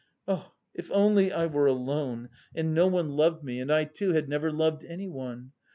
Oh, if only I were alone and no one loved me and I too had never loved anyone!